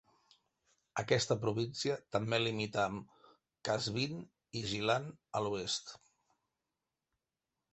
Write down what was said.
Aquesta província també limita amb Qazvin i Gilan a l'oest.